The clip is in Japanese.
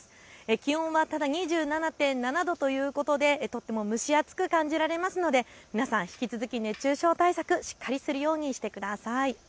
気温は２７．７度ということでとても蒸し暑く感じられますので皆さん、引き続き熱中症対策、しっかりするようにしてください。